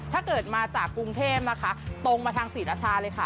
ถ้าเกิดมาจากกรุงเทพนะคะตรงมาทางศรีราชาเลยค่ะ